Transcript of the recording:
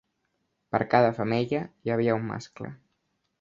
Per cada femella hi havia un mascle.